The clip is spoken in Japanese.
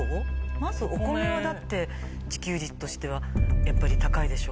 まずお米はだって自給率としては高いでしょ。